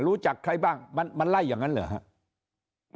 รู้จักใครบ้างมันไล่อย่างนั้นเหรอครับ